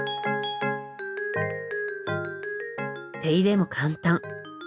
手入れも簡単。